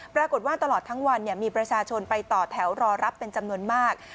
ตลอดทั้งวันมีประชาชนไปต่อแถวรอรับเป็นจำนวนมาก